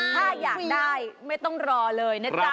ถ้าอยากได้ไม่ต้องรอเลยนะจ๊ะ